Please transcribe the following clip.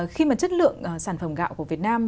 khi mà chất lượng sản phẩm gạo của việt nam